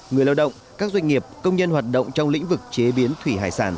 người lao động các doanh nghiệp công nhân hoạt động trong lĩnh vực chế biến thủy hải sản